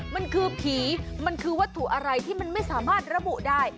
มันคือผีมันคือวัตถุอะไรที่มันไม่สามารถระบุได้